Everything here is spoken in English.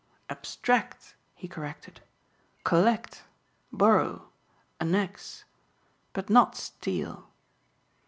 "Abstract," he corrected, "collect, borrow, annex but not steal."